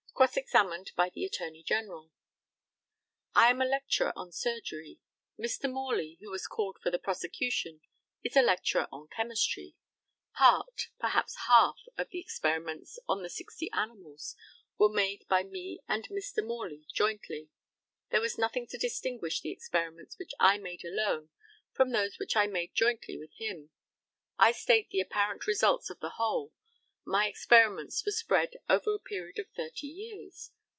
Cross examined by the ATTORNEY GENERAL. I am a lecturer on surgery. Mr. Morley, who was called for the prosecution, is a lecturer on chemistry. Part (perhaps half) of the experiments on the 60 animals were made by me and Mr. Morley jointly. There was nothing to distinguish the experiments which I made alone from those which I made jointly with him. I state the apparent results of the whole. My experiments were spread over a period of thirty years.